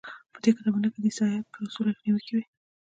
په دې کتابونو کې د عیسایت په اصولو نیوکې وې.